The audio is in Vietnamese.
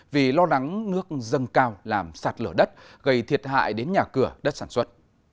vì lo lắng nước dâng cao làm sạt lở đất gây thiệt hại đến nhà cửa đất sản xuất